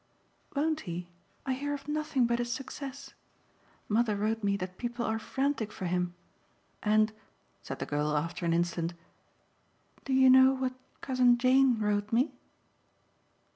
"Won't he? I hear of nothing but his success. Mother wrote me that people are frantic for him; and," said the girl after an instant, "do you know what Cousin Jane wrote me?"